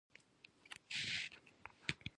شعیب اختر د نړۍ یو سريع بالر وو.